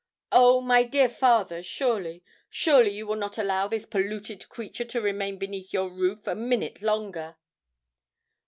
Oh! my dear father, surely—surely you will not allow this polluted creature to remain beneath your roof a minute longer!"